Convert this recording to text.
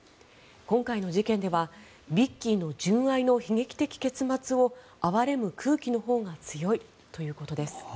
今回の事件ではビッキーの純愛の悲劇的結末を哀れむ空気のほうが強いということです。